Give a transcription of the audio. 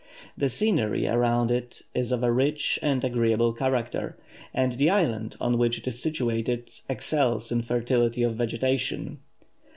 The scenery around it is of a rich and agreeable character, and the island on which it is situated excels in fertility of vegetation.